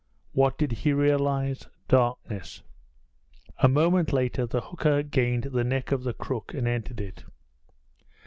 What did he realize? Darkness. A moment later the hooker gained the neck of the crook and entered it.